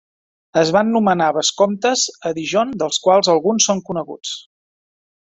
Es van nomenar vescomtes a Dijon dels que alguns són coneguts.